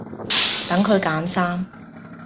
等佢揀衫